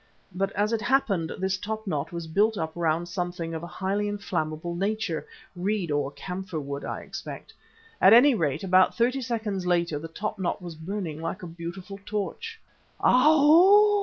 But as it happened this top knot was built up round something of a highly inflammable nature, reed or camphor wood, I expect. At any rate, about thirty seconds later the top knot was burning like a beautiful torch. "_Ow!